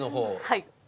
はい。